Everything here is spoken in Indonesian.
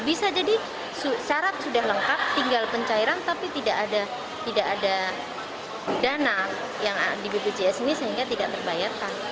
bisa jadi syarat sudah lengkap tinggal pencairan tapi tidak ada dana yang ada di bpjs ini sehingga tidak terbayarkan